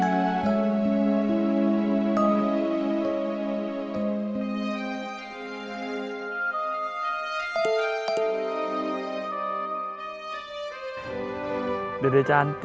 dede udah gak bisa ninggalin emak ah